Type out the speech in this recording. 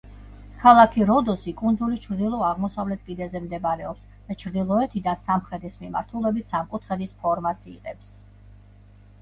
ქალაქი როდოსი კუნძულის ჩრდილო-აღმოსავლეთ კიდეზე მდებარეობს და ჩრდილოეთიდან სამხრეთის მიმართულებით სამკუთხედის ფორმას იღებს.